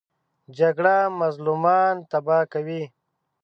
جګړه مظلومان تباه کوي